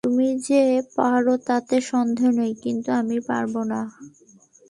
তুমি যে পার তাতে সন্দেহ নেই, কিন্তু আমি পারব না।